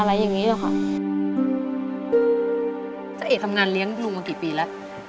เจ๊เอ๋ทำงานเลี้ยงลูกมากี่ปีละ